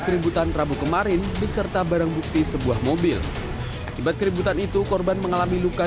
keributan rabu kemarin beserta barang bukti sebuah mobil akibat keributan itu korban mengalami luka